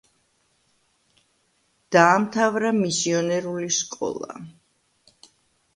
დაამთავრა მისიონერული სკოლა.